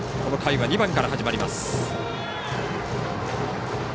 この回は２番から始まります。